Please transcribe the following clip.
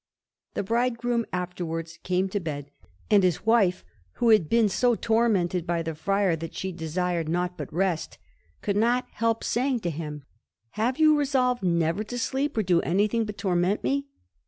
The bridegroom afterwards came to bed, and his wife, who had been so tormented by the Friar that she desired naught but rest, could not help saying to him "Have you resolved never to sleep or do anything but torment me?"